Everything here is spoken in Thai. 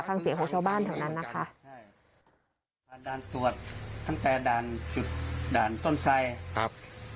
ฟังเสียงของชาวบ้านแถวนั้นนะคะใช่ผ่านด่านตรวจตั้งแต่ด่านจุดด่านต้นไสครับ